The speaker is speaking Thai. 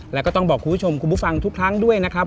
แล้วก็ต้องบอกคุณผู้ชมคุณผู้ฟังทุกครั้งด้วยนะครับ